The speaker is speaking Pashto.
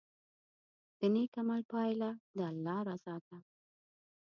د نیک عمل پایله د الله رضا ده.